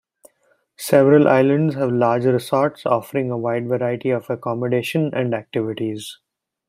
Several islands have large resorts, offering a wide variety of accommodation and activities.